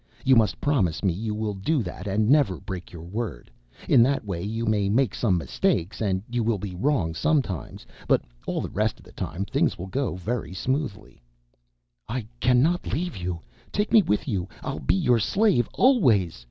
You must promise me you will do that and never break your word. In that way you may make some mistakes and will be wrong sometimes, but all the rest of the time things will go very smoothly." "I cannot leave you! Take me with you I'll be your slave always!"